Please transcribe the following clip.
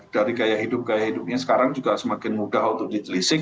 dari gaya hidup gaya hidupnya sekarang juga semakin mudah untuk ditelisik